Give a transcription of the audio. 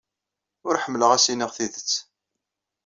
Ur ḥemmleɣ ad as-iniɣ tidet.